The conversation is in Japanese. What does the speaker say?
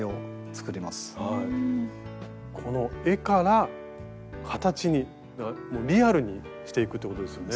この絵から形にリアルにしていくってことですよね。